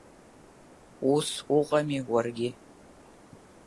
Ус уҟами уаргьы?